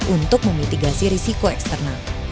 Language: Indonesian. untuk memitigasi risiko eksternal